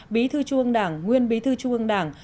bí thư trung ương đảng nguyên bí thư trung ương đảng